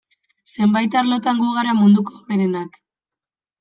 Zenbait arlotan gu gara munduko hoberenak.